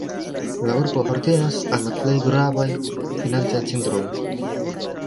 La urbo apartenas al la plej gravaj financaj centroj.